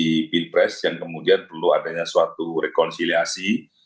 di pilpres yang kemudian perlu adanya suatu rekonsiliasi